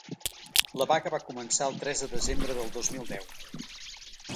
La vaga va començar el tres de desembre del dos mil deu.